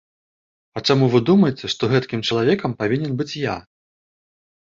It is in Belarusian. А чаму вы думаеце, што гэткім чалавекам павінен быць я?